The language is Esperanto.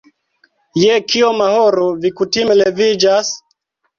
Je kioma horo vi kutime leviĝas?